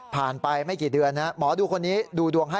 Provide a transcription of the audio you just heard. ไปไม่กี่เดือนหมอดูคนนี้ดูดวงให้